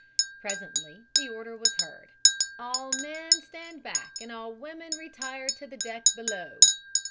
Presently the order was heard: "All men stand back and all women retire to the deck below."